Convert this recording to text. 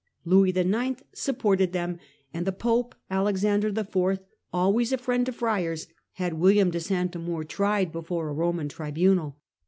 Louis IX. supported them, and the Pope, Alexander IV., always a friend to friars, had William de St Amour tried before a Koman tribunal.